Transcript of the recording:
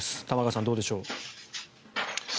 玉川さん、どうでしょう。